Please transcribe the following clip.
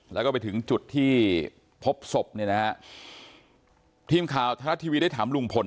แล้วก็ไปถึงจุดที่พบศพเนี่ยนะฮะทีมข่าวไทยรัฐทีวีได้ถามลุงพล